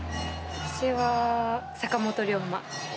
私は坂本龍馬。